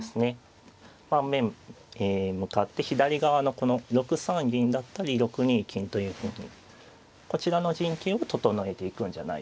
盤面向かって左側のこの６三銀だったり６二金というふうにこちらの陣形を整えていくんじゃないでしょうかね。